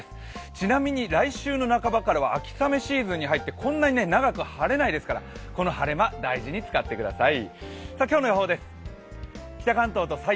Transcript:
ちなみに、来週の半ばからは秋雨シーズンに入ってこんなに長く晴れないですから、この晴れ間大事に使ってください。